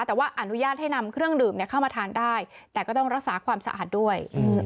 แต่ว่าอนุญาตให้นำเครื่องดื่มเข้ามาทานได้แต่ก็ต้องรักษาความสะอาดด้วย